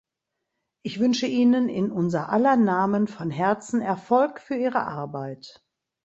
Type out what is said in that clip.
Ich wünsche Ihnen in unser aller Namen von Herzen Erfolg für Ihre Arbeit.